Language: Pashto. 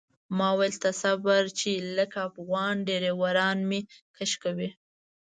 ما ویل ته صبر چې لکه افغان ډریوران مې کش کوي.